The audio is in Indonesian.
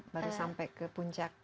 baru sampai ke puncak